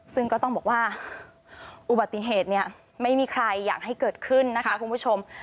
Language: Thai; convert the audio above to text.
ซึ่งก็ต้องบอกว่าอุบัติเหตุเนี่ยไม่มีใครอยากให้เกิดขึ้นนะคะคุณผู้ชม